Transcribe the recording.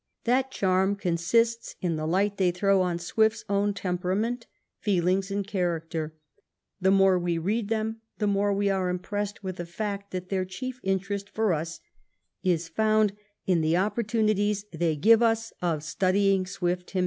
That charm consists in the light they throw on Swift's own temperament, feelings, and character. The more we read them, the more we are impressed with* the fact that their chief interest for us is found in the oppor tunities they give us of studying Swift himself.